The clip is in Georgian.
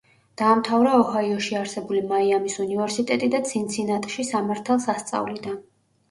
დაამთავრა ოჰაიოში არსებული მაიამის უნივერსიტეტი და ცინცინატში სამართალს ასწავლიდა.